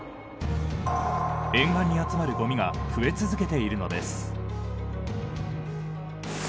沿岸に集まるごみが増え続けているのです。